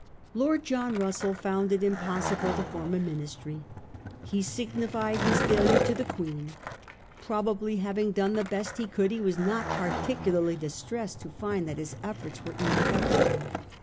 Lord John Russell found it impossible to form a Minis try. He signified his failure to the Queen. Probably, having done the best he could, he was not particularly distressed to find that his efforts were in effectual.